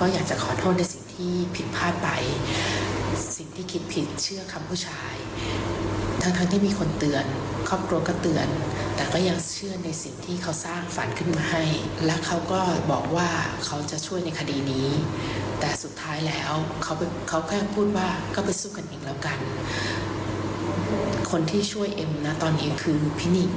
ก็สู้กันเองแล้วกันคนที่ช่วยเอ็มนะตอนนี้คือพี่นิ่ง